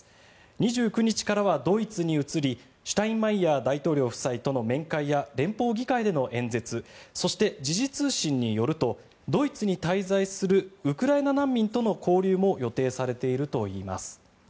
２９日からはドイツに移りシュタインマイヤー大統領夫妻との面会や連邦議会での演説そして時事通信によるとドイツに滞在するウクライナ難民との交流も予定されているといいます。